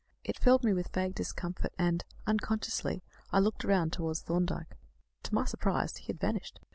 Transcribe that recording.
It filled me with vague discomfort, and, unconsciously, I looked round towards Thorndyke. To my surprise he had vanished.